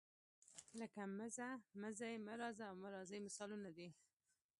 لکه مه ځه، مه ځئ، مه راځه او مه راځئ مثالونه دي.